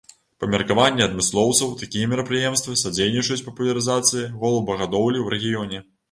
Па меркаванні адмыслоўцаў, такія мерапрыемствы садзейнічаюць папулярызацыі голубагадоўлі ў рэгіёне.